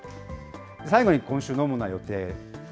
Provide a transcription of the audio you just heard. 最後に今週の主な予定。